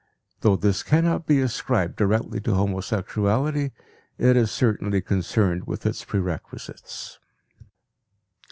Though this cannot be ascribed directly to homosexuality, it is certainly concerned with its prerequisites.